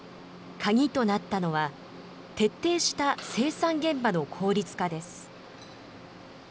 鍵となったのは、徹底した生産現場の効率化です。